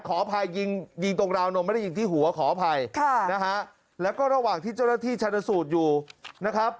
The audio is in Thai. ขออภัยยิงยิงตรงราวนมไม่ได้ยิงที่หัวขออภัยค่ะนะฮะแล้วก็ระหว่างที่เจ้าหน้าที่ชันสูตรอยู่นะครับ